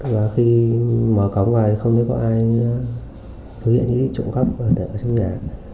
và khi mở cổng vào thì không thấy có ai thực hiện ý định trộm cấp ở trong nhà